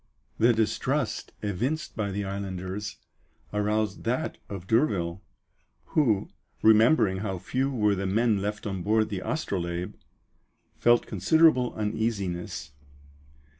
The distrust evinced by the islanders aroused that of D'Urville, who, remembering how few were the men left on board the Astrolabe, felt considerable uneasiness.